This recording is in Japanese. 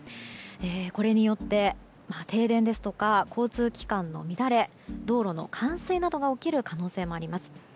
これによって停電ですとか交通機関の乱れ道路の冠水などが起きる可能性もあります。